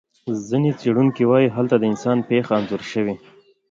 ځینې څېړونکي وایي هلته د انسان پېښه انځور شوې.